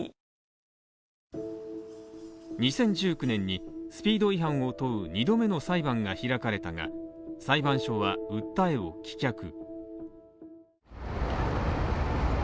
２０１９年にスピード違反を問う２度目の裁判が開かれたが裁判所は訴えを棄却。